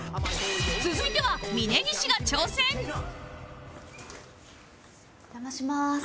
続いてはお邪魔します。